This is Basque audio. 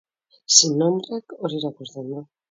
Sin nombrek hori erakusten du.